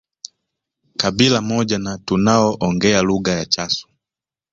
Kabila moja na tunaoongea lugha ya Chasu